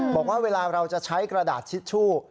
บอกว่าเวลาเราจะใช้กระดาษทิชชู่